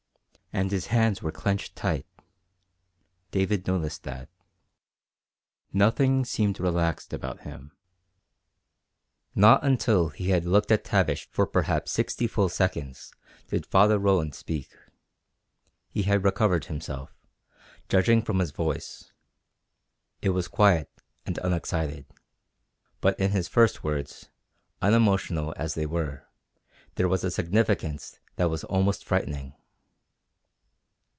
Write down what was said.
And his hands were clenched tight. David noticed that. Nothing seemed relaxed about him. Not until he had looked at Tavish for perhaps sixty full seconds did Father Roland speak. He had recovered himself, judging from his voice. It was quiet and unexcited. But in his first words, unemotional as they were, there was a significance that was almost frightening.